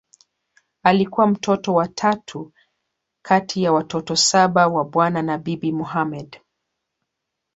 Alikuwa mtoto wa tatu kati ya watoto saba wa Bwana na Bibi Mohamed